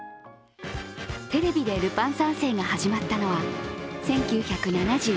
テレビで「ルパン三世」が始まったのは１９７１年。